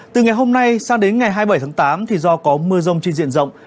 từ ngày hôm nay sang đến ngày hai mươi bảy tháng tám thì do có mưa rông trên diện rộng